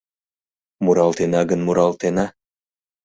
— Муралтена гын муралтена!..